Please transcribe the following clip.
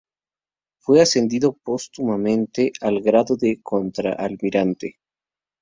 Fue ascendido póstumamente al grado de Contraalmirante.